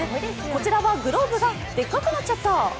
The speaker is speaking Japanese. こちらはグローブがでっかくなっちゃった！